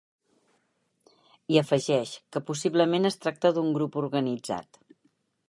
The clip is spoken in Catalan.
I afegeix que possiblement es tracta d’un grup organitzat.